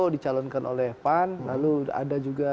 dicalonkan oleh pan lalu ada juga